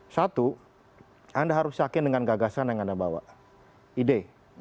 satu anda harus yakin dengan gagasan yang anda bawa ide